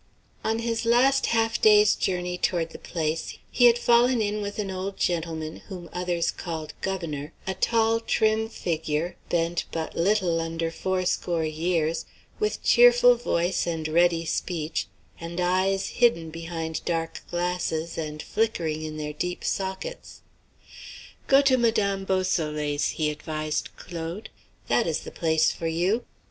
On his last half day's journey toward the place, he had fallen in with an old gentleman whom others called "Governor," a tall, trim figure, bent but little under fourscore years, with cheerful voice and ready speech, and eyes hidden behind dark glasses and flickering in their deep sockets. "Go to Madame Beausoleil's," he advised Claude. "That is the place for you.